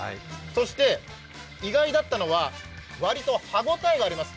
そして、意外だったのは割と歯応えがあります。